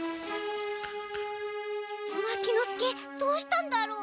牧之介どうしたんだろう？